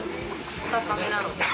お高めなので。